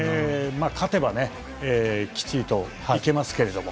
勝てばきっちりと、いけますけど。